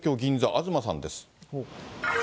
東さんです。